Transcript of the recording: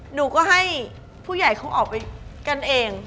หนูก็ให้ผู้ใหญ่เขาออกไปกันเอง